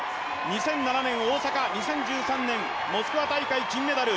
２００７年、大阪２０１３年、モスクワ大会金メダル。